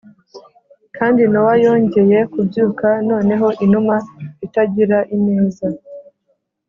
kandi nowa yongeye kubyuka noneho inuma itagira ineza